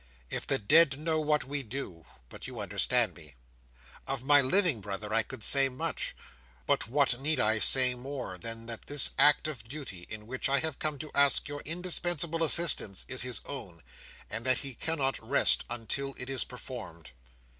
If the dead know what we do—but you understand me. Of my living brother I could say much; but what need I say more, than that this act of duty, in which I have come to ask your indispensable assistance, is his own, and that he cannot rest until it is performed!"